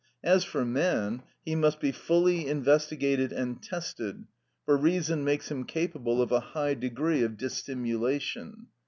As for man, he must be fully investigated and tested, for reason makes him capable of a high degree of dissimulation.